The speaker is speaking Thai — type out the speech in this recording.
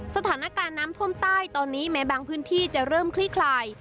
สถานการณ์น้ำท่วมใต้ตอนนี้แม้บางพื้นที่จะเริ่มคลี่คลาย